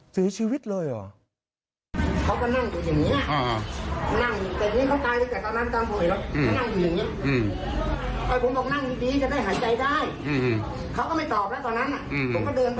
เสียชีวิตเลยเหรอ